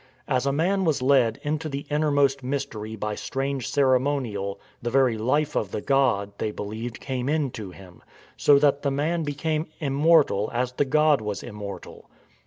As a man was led into the innermost mystery by strange ceremonial the very life of the god (they believed) came into him; so that the man became immortal as the god was immortal.